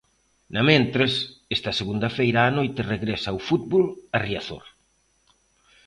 Namentres, esta segunda feira á noite regresa o fútbol a Riazor.